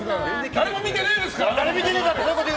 誰も見てねえですから！